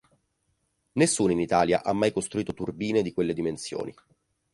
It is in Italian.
Nessuno in Italia ha mai costruito turbine di quelle dimensioni.